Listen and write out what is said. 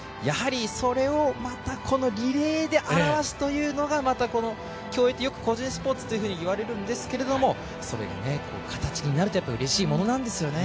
それをまたこのリレーであらわすというのが競泳ってよく個人スポーツと言われるんですけどそれが形になるとうれしいものなんですよね。